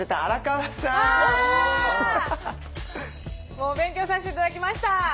もう勉強させて頂きました。